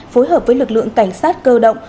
phối hợp với lực lượng cảnh sát cơ động